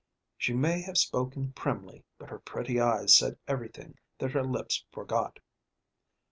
She may have spoken primly, but her pretty eyes said everything that her lips forgot.